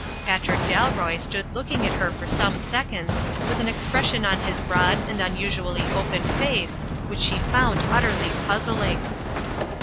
Patrick Dalroy stood looking at her for some sec onds with an expression on his broad and unusually open face which she found utterly puzzling.